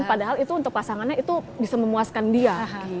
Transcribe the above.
padahal itu untuk pasangannya itu bisa memuaskan dia